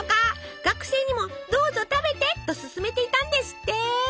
学生にもどうぞ食べてと勧めていたんですって。